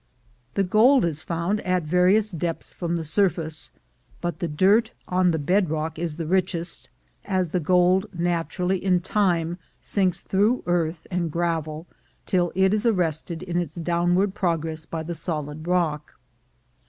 The gold is found at various depths from the sur face; but the dirt on the bed rock is the richest, as the gold naturally in time sinks through earth and gravel, till it is arrested in its downward progress by the solid rock.